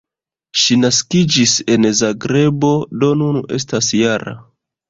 Ŝi naskiĝis en Zagrebo, do nun estas -jara.